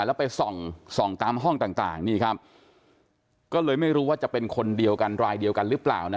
แล้วไปส่องส่องตามห้องต่างนี่ครับก็เลยไม่รู้ว่าจะเป็นคนเดียวกันรายเดียวกันหรือเปล่านะ